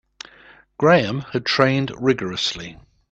Graham had trained rigourously.